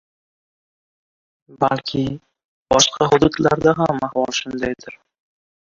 Balki, boshqa hududlarda ham ahvol shundaydir...